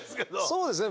そうですね